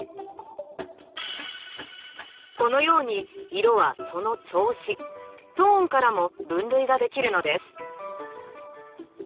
このように色はその調子トーンからも分類ができるのです。